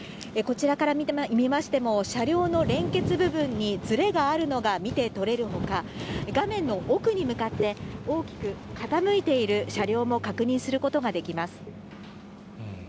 こちらから見ましても、車両の連結部分にずれがあるのが見て取れるほか、画面の奥に向かって、大きく傾いている車両も確認することができます。